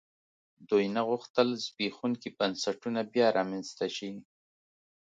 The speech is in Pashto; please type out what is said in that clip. دوی نه غوښتل زبېښونکي بنسټونه بیا رامنځته شي.